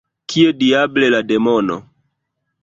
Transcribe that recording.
Kie diable la demono?